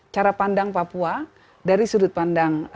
cara pandang papua dari sudut pandang